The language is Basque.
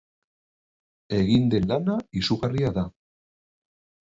Egin den lana izugarria da.